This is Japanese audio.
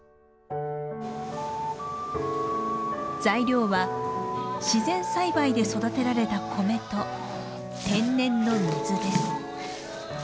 材料は自然栽培で育てられた米と天然の水です。